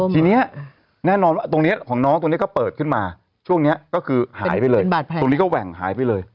ทีนี้แน่นอนว่าตรงนี้ของน้องตรงนี้ก็เปิดขึ้นมาช่วงนี้ก็คือหายไปเลยตรงนี้ก็แหว่งหายไปเลย